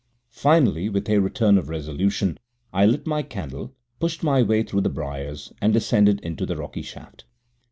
Finally, with a return of resolution, I lit my candle, pushed my way through the briars, and descended into the rocky shaft.